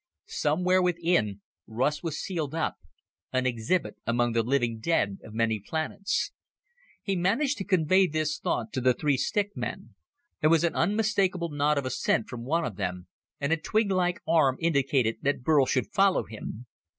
Somewhere within, Russ was sealed up an exhibit among the living dead of many planets. He managed to convey this thought to the three stick men. There was an unmistakable nod of assent from one of them, and a twiglike arm indicated that Burl should follow him.